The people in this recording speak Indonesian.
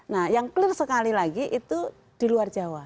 nah yang clear sekali lagi itu di luar jawa